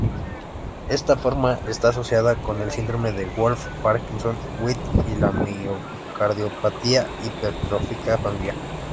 Esta forma está asociada con el síndrome de Wolff-Parkinson-White y la miocardiopatía hipertrófica familiar.